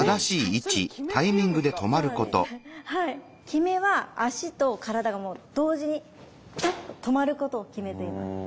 極めは足と体がもう同時にピタッととまることを「極め」と言います。